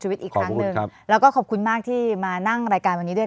ชีวิตอีกครั้งหนึ่งครับแล้วก็ขอบคุณมากที่มานั่งรายการวันนี้ด้วย